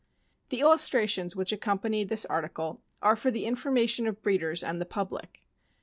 The illustrations which accompany this article are for the information of breeders and the public.